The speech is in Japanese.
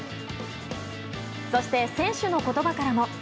そして選手の言葉からも。